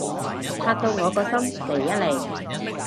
嚇到我個心離一離